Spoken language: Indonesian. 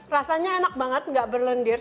rasanya enak banget nggak berlendir